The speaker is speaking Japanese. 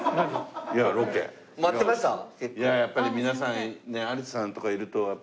いややっぱり皆さんね。